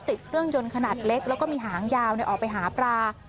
ติดเครื่องยนต์ขนาดเล็กแล้วก็มีหางยาวออกไปหาปลา